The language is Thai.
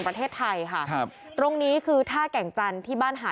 นำนำนำนำนำนำ